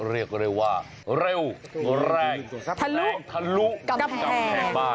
เรียกเลยว่าเร็วแรงทะลุกำแพง